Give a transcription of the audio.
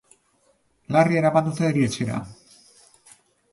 Larri eraman dute erietxera.